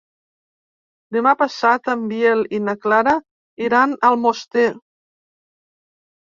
Demà passat en Biel i na Clara iran a Almoster.